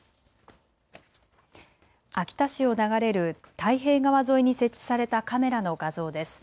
秋田市を流れる太平川沿いに設置されたカメラの画像です。